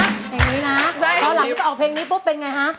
เพลงนี้นะแล้วหลังที่จะออกเพลงนี้ปุ๊บเป็นไงคะ